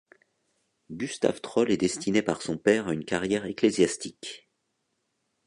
Gustave Trolle est destiné par son père à une carrière ecclésiastique.